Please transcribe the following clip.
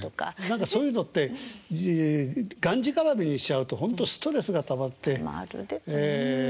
何かそういうのってがんじがらめにしちゃうとほんとストレスがたまってええ。